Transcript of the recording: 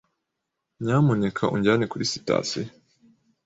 Nyamuneka unjyane kuri sitasiyo.